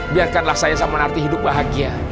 biarkanlah saya sama narti hidup bahagia